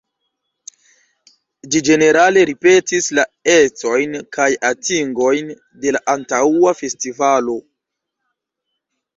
Ĝi ĝenerale ripetis la ecojn kaj atingojn de la antaŭa festivalo.